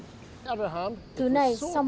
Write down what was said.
thứ này sau một thời gian nhựa đã được phân loại